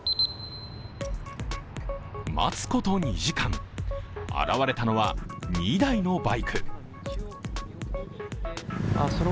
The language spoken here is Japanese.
待つこと２時間、現れたのは２台のバイク。